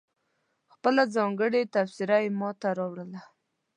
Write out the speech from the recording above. خپله ځانګړې تبصره یې ماته واوروله.